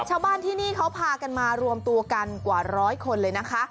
ชาวบ้านที่นี่เขาพากันมารวมตัวกันกว่าร้อยคนเลยนะคะ